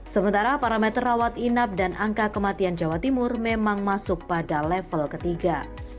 sementara parameter rawat inap dan angka kematian jawa timur memang masuk pada level ketiga